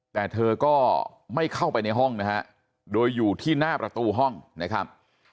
แต่เธอก็ไม่เข้าไปในห้องนะฮะโดยอยู่ที่หน้าประตูห้องนะครับ